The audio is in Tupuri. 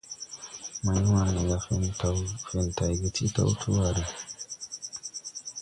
Mày- wane gà fen tay ge ti taw ti ware.